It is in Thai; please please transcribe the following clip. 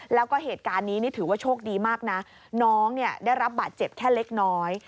แล้วก็เหตุการณ์นี้นี่ถือว่าโชคดีมากนะน้องเนี่ยได้รับบาดเจ็บแค่เล็กน้อย